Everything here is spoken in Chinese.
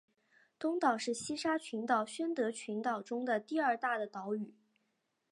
东岛是西沙群岛宣德群岛中的第二大的岛屿。